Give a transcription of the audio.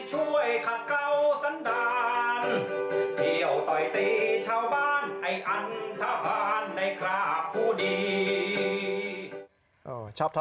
ใช่ค่ะแล้วก็เจ็บทุกท่อน